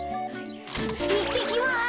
いってきます。